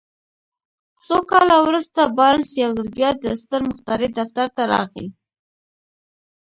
څو کاله وروسته بارنس يو ځل بيا د ستر مخترع دفتر ته راغی.